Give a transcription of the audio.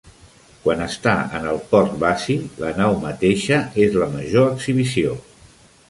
Quan està en el port basi, la nau mateixa és la major exhibició.